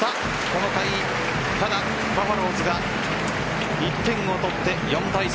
この回、バファローズが１点を取って４対３。